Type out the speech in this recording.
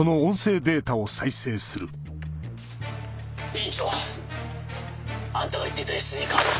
院長！あんたが言っていたＳＤカードは。